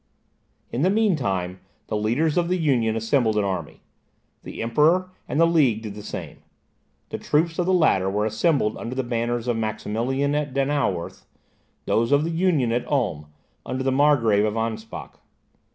In the mean time, the leaders of the Union assembled an army; the Emperor and the League did the same. The troops of the latter were assembled under the banners of Maximilian at Donauwerth, those of the Union at Ulm, under the Margrave of Anspach.